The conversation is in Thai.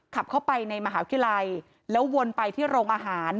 ขับเข้าไปในมหาวิทยาลัยแล้ววนไปที่โรงอาหาร